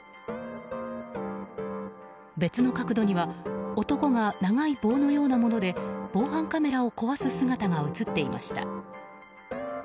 別の角度には男が長い棒のようなもので防犯カメラを壊す姿が映っていました。